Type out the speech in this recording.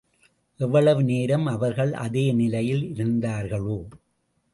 எவ்வளவு நேரம் அவர்கள் அதே நிலையில் இருந்தார்களோ?